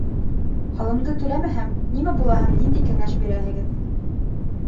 Һалымды түләмәһәм, нимә була һәм ниндәй кәңәш бирәһегеҙ?